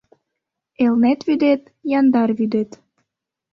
Элнет вӱдет — яндар вӱдет